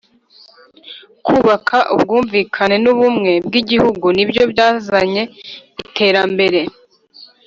kubaka ubwumvikane n’ ubumwe bw’ Igihugu nibyo byazanye iterambere